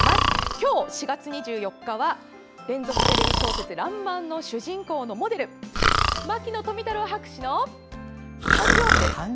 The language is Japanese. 今日、４月２４日には連続テレビ小説「らんまん」の主人公のモデル牧野富太郎博士の誕生日です。